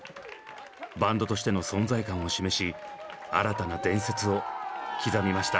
バンドとしての存在感を示し新たな伝説を刻みました。